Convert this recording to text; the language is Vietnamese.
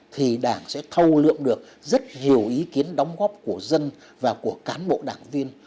thì đảng sẽ thâu lượm được rất nhiều ý kiến đóng góp của dân và của cán bộ đảng viên